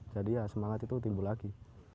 jadi ya semangat itu timbul lagi